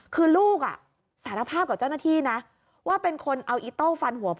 คือลูกสารภาพกับเจ้าหน้าที่นะว่าเป็นคนเอาอิโต้ฟันหัวพ่อ